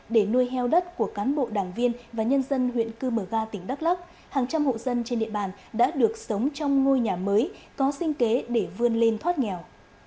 để nuôi heo đất của cán bộ đảng viên và nhân dân huyện cư mờ ga tỉnh đắk lắc hàng trăm hộ dân trên địa bàn đã được sống trong ngôi nhà mới có sinh kế để vươn lên thoát nghèo